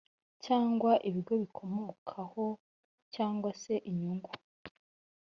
cyangwa ibigo bigikomokaho cyangwa se inyungu